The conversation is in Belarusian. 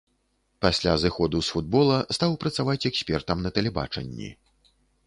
Пасля зыходу з футбола стаў працаваць экспертам на тэлебачанні.